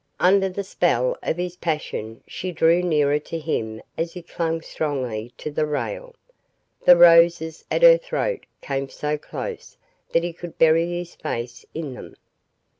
Under the spell of his passion she drew nearer to him as he clung strongly to the rail. The roses at her throat came so close that he could bury his face in them.